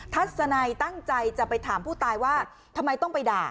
ทัศนัยตั้งใจจะไปถามผู้ตายว่าทำไมต้องไปด่า